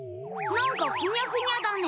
なんかふにゃふにゃだね。